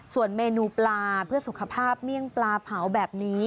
ส่วนเมนูปลาเพื่อสุขภาพเมี่ยงปลาเผาแบบนี้